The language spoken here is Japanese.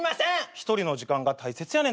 一人の時間が大切やねんてさ。